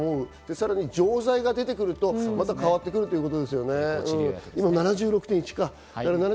さらに錠剤が出てくると、また変わってくるということですね。